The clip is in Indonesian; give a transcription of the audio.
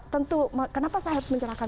tentu kenapa saya harus mencerahkan